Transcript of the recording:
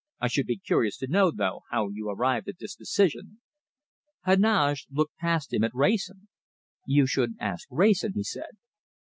"I should be curious to know, though, how you arrived at this decision." Heneage looked past him at Wrayson. "You should ask Wrayson," he said.